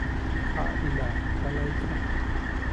খা ইলা, কালাই খা।